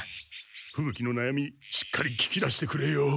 ふぶ鬼のなやみしっかり聞き出してくれよ。